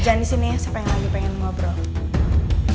jangan disini ya saya pengen lagi pengen ngobrol